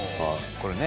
これね